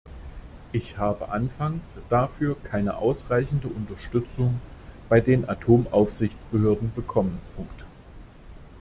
Ich habe anfangs dafür keine ausreichende Unterstützung bei den Atomaufsichtsbehörden bekommen.